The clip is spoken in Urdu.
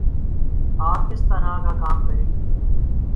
آپ کس طرح کا کام کریں گے؟